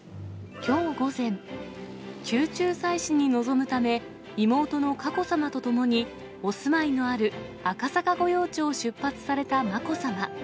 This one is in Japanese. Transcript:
きょう午前、宮中祭祀に臨むため、妹の佳子さまとともに、お住まいのある赤坂御用地を出発されたまこさま。